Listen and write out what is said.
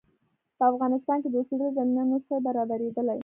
په افغانستان کې د اوسېدلو زمینه نه سوای برابرېدلای.